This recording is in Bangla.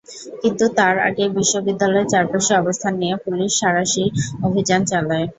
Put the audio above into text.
কিন্তু তার আগেই বিশ্ববিদ্যালয়ের চারপাশে অবস্থান নিয়ে পুলিশ সাঁড়াশি অভিযান চালায়।